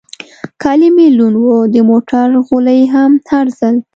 کالي مې لوند و، د موټر غولی هم هر ځل.